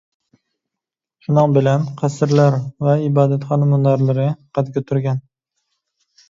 شۇنىڭ بىلەن، قەسىرلەر ۋە ئىبادەتخانا مۇنارلىرى قەد كۆتۈرگەن.